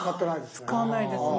使わないですね。